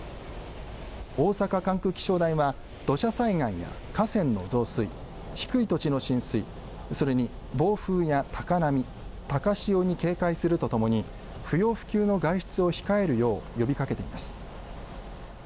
大阪管区気象台は土砂災害や河川の増水、低い土地の浸水それに暴風や高波、高潮に警戒するとともに不要不急の外出を控えるよう呼びかけています。